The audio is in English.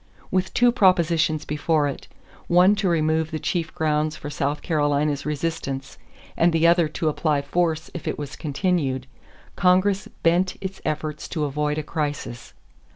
With two propositions before it, one to remove the chief grounds for South Carolina's resistance and the other to apply force if it was continued, Congress bent its efforts to avoid a crisis.